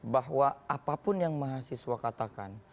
bahwa apapun yang mahasiswa katakan